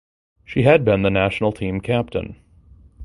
She had been the national team captain.